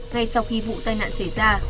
ngay sau khi vụ tai nạn xảy ra